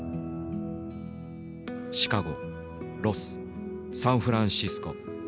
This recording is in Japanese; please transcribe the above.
シカゴロスサンフランシスコ。